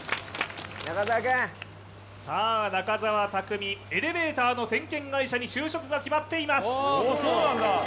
中澤匠、エレベーターの点検会社に就職が決まっています。